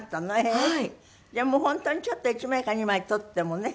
へえー！じゃあ本当にちょっと１枚か２枚取ってもね。